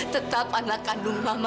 tetap anak kanu mama